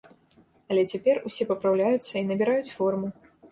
Але цяпер усе папраўляюцца і набіраюць форму.